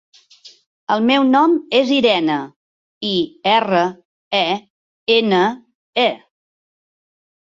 El meu nom és Irene: i, erra, e, ena, e.